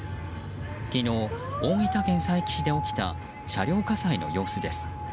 昨日、大分県佐伯市で起きた車両火災の様子です。